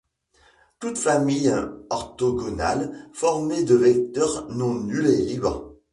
Toute famille orthogonale formée de vecteurs non nuls est libre.